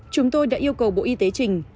chúng tôi đã yêu cầu bộ y tế chỉnh